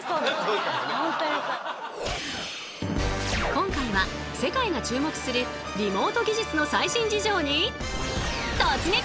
今回は世界が注目するリモート技術の最新事情に突撃！